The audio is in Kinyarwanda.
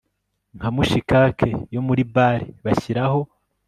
Nka mushikake yo muri bare Bashyiraho